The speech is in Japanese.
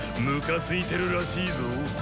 ムカついてるらしいぞ。